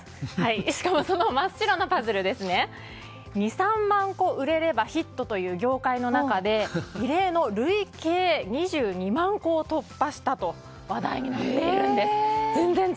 しかもその真っ白のパズル２３万個売れればヒットという業界の中で異例の累計２２万個を突破したと話題になっているんです。